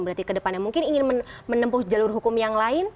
berarti ke depannya mungkin ingin menempuh jalur hukum yang lain